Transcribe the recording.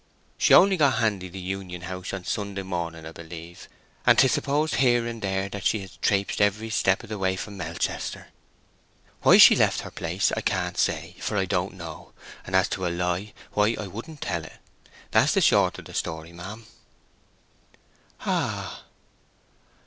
She only got handy the Union house on Sunday morning 'a b'lieve, and 'tis supposed here and there that she had traipsed every step of the way from Melchester. Why she left her place, I can't say, for I don't know; and as to a lie, why, I wouldn't tell it. That's the short of the story, ma'am." "Ah h!"